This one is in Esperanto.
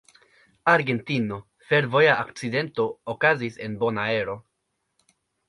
Argentino: Fervoja akcidento okazis en Bonaero.